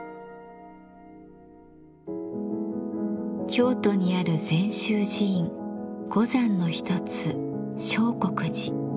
京都にある禅宗寺院五山の一つ相国寺。